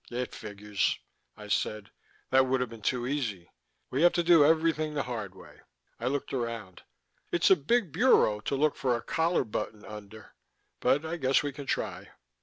"It figures," I said. "That would have been too easy. We have to do everything the hard way." I looked around. "It's a big bureau to look for a collar button under, but I guess we can try."